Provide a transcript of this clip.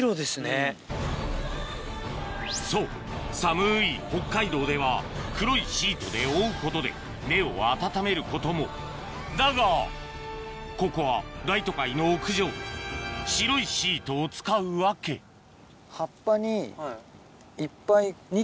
そう寒い北海道では黒いシートで覆うことで根を温めることもだがここは大都会の屋上白いシートを使う訳あぁなるほど。